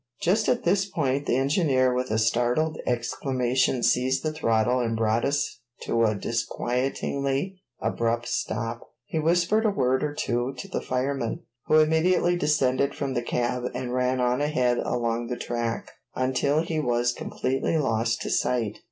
Just at this point the engineer with a startled exclamation seized the throttle and brought us to a disquietingly abrupt stop. He whispered a word or two to the fireman, who immediately descended from the cab and ran on ahead along the track until he was completely lost to sight.